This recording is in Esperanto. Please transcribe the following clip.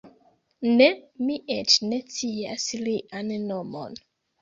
Ne; mi eĉ ne scias lian nomon.